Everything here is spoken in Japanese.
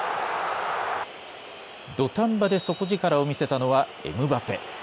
土壇場で底力を見せたのはエムバペ。